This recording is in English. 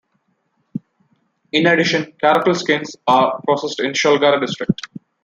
In addition karakul skins are processed in Sholgara District.